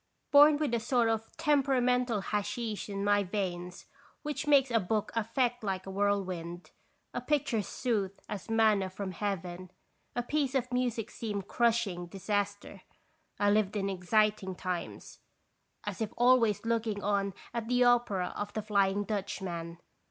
Born with a sort of temperamental hasheesh in my veins which makes a book affect like a whirlwind, a picture soothe as manna from Heaven, a piece of music seem crushing disas ter, I lived in exciting times, as if always look ing on at the opera of the Flying Dutchman.